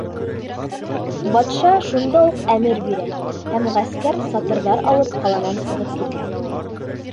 Батша шунда уҡ әмер бирә, һәм ғәскәр, сатырҙар алып, ҡаланан сығып китә.